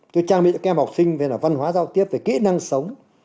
tôi trang bị cho các em học sinh về văn hóa giao tiếp về kỹ năng sống